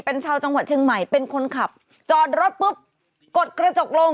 เป็นชาวจังหวัดเชียงใหม่เป็นคนขับจอดรถปุ๊บกดกระจกลง